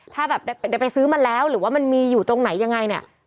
ถ้าแบบได้ไปซื้อมาแล้วหรือว่ามันมีอยู่ตรงไหนยังไงเนี่ย